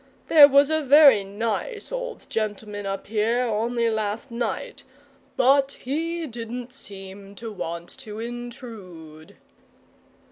There was a very nice old gentleman up here only last night, but he didn't seem to want to intrude."